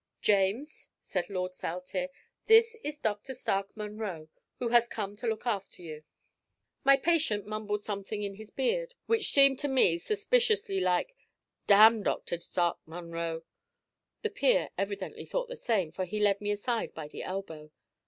"James," said Lord Saltire, "this is Dr. Stark Munro, who has come to look after you." My patient mumbled something in his beard, which seemed to me suspiciously like "Damn Dr. Stark Munro!" The peer evidently thought the same, for he led me aside by the elbow.